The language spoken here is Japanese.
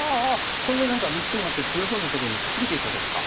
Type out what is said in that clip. こんな何か３つもあって強そうなとこにくっつけていくわけですか？